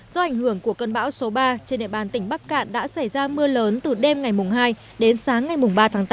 do ảnh hưởng của cơn bão số ba trên địa bàn tỉnh bắc cạn đã xảy ra mưa lớn từ đêm ngày hai đến sáng ngày ba tháng tám